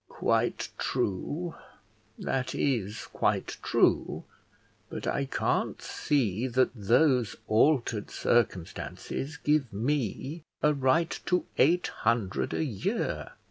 "Quite true that is quite true; but I can't see that those altered circumstances give me a right to eight hundred a year.